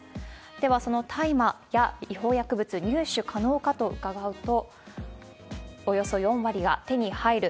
では、その大麻や違法薬物、入手可能かと伺うと、およそ４割が、手に入る、